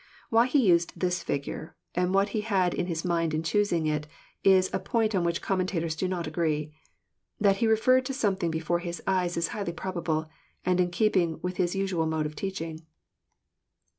Why He used this figure, and what He had In His mind in choosing it. is a point on which commentators do not agree. That he referred to something before His eyes is highly probable, and in keep ing with His usual mode of teaching.